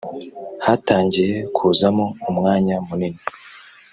Hatangiye kuzamo umwanya munini